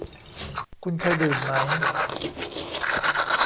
คุณเคยดื่มไหม